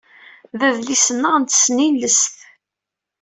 D adlis-nneɣ n tesnilest.